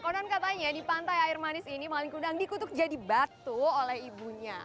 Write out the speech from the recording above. konon katanya di pantai air manis ini maling kundang dikutuk jadi batu oleh ibunya